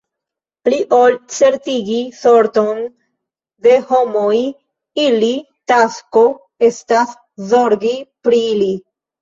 Pli ol certigi sorton de homoj, ilia tasko estas zorgi pri ili.